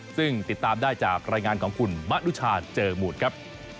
ซึ่งติดตามได้จากรายงานของคุณมะนุชาเจอมูลครับ